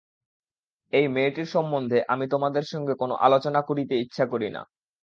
এই মেয়েটির সম্বন্ধে আমি তোমাদের সঙ্গে কোনো আলোচনা করিতে ইচ্ছা করি না।